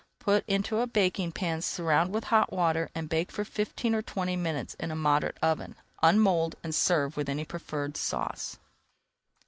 Put into a baking pan, surround with hot water, and bake for fifteen or twenty minutes in a moderate oven. Unmould and serve with any preferred sauce.